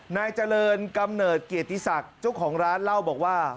นายเจริญกำเนิดเกียรติศักดิ์เจ้าของร้านเล่าบอกว่า